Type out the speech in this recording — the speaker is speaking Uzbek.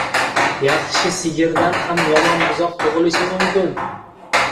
• Yaxshi sigirdan ham yomon buzoq tug‘ilishi mumkin.